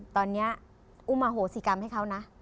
ตอนนี้อุ้มอโหสิกรรมให้เขานะ